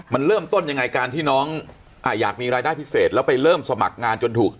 มันเริ่มต้นยังไงการที่น้องอยากมีรายได้พิเศษแล้วไปเริ่มสมัครงานจนถูก